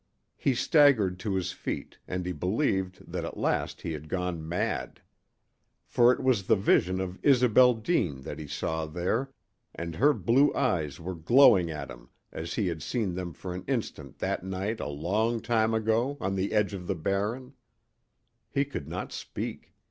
He staggered to his feet, and he believed that at last he had gone mad. For it was the vision of Isobel Deane that he saw there, and her blue eyes were glowing at him as he had seen them for an instant that night a long time ago on the edge of the Barren. He could not speak.